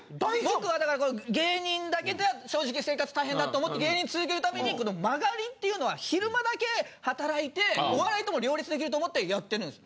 僕はだから芸人だけでは正直生活大変だと思って芸人続けるためにこの間借りっていうのは昼間だけ働いてお笑いとも両立できると思ってやってるんです。